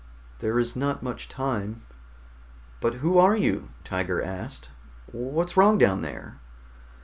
"There is not much time." "But who are you?" Tiger asked. "What's wrong down there?"